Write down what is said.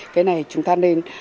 cái này chúng ta nên